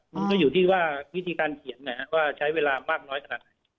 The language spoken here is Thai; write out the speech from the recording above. มันก็อยู่ที่ว่าวิธีการเขียนว่าใช้เวลามากน้อยขนาดไหน